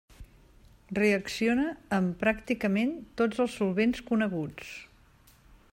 Reacciona amb pràcticament tots els solvents coneguts.